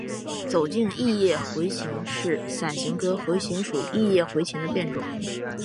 走茎异叶茴芹是伞形科茴芹属异叶茴芹的变种。